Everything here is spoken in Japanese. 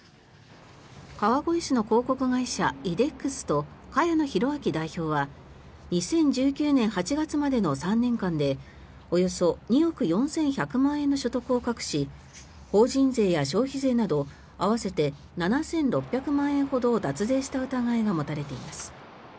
川越市の広告会社イデックスと茅野宏昭代表には２０１９年８月までの３年間でおよそ２億４１００万円の所得を隠し法人税や消費税など合わせて７６００万円ほどを脱税した疑いが持たれています。